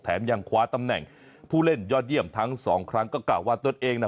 ยังคว้าตำแหน่งผู้เล่นยอดเยี่ยมทั้งสองครั้งก็กล่าวว่าตนเองนะ